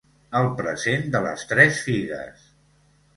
El present de les tres figues.